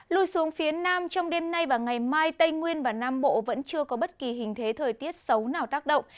lùi xuống phía nam trong đêm nay và ngày mai tây nguyên và nam bộ vẫn chưa có bất kỳ hình thế thời tiết xấu nào tác động